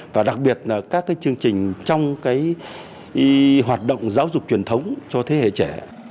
và đặc biệt là các chương trình trong hoạt động giáo dục truyền thống cho thế hệ trẻ